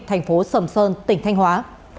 thành phố sầm sơn tỉnh thanh hóa